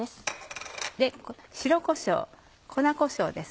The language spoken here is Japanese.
白こしょう粉こしょうです。